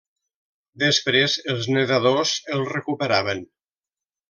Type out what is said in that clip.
Després els nedadors el recuperaven.